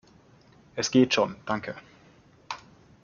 Es geht schon, danke!